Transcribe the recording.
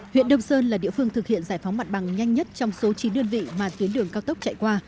huyện đông sơn là địa phương thực hiện giải phóng mặt bằng nhanh nhất trong số chín đơn vị mà tuyến đường cao tốc chạy qua